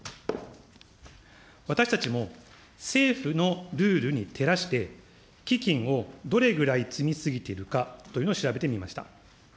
私たちも政府のルールに照らして、基金をどれぐらい積み過ぎているかというのを調べてみました。